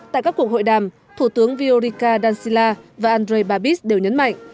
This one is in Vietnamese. tại các cuộc hội đàm thủ tướng viorica dancila và andrei babis đều nhấn mạnh